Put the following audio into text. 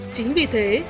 chính vì thế